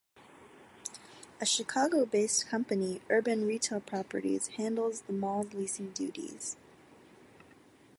A Chicago-based company, Urban Retail Properties, handles the mall's leasing duties.